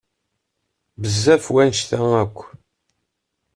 Bezzaf wanect-a akk.